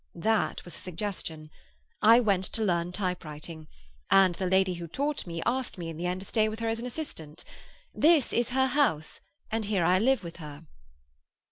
That was a suggestion. I went to learn typewriting, and the lady who taught me asked me in the end to stay with her as an assistant. This is her house, and here I live with her."